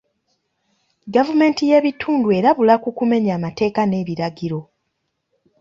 Gavumenti y'ebitundu erabula ku kumenya amateeka n'ebiragiro.